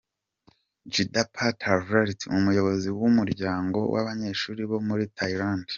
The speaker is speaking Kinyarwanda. JidapaThavarit, Umuyobozi w’umuryango w’Abanyeshuri bo muri Thailand.